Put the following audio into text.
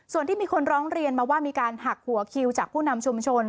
ส่วนที่มีคนร้องเรียนมาว่ามีการหักหัวคิวจากผู้นำชุมชน